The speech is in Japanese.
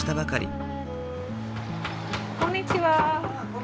ああこんにちは。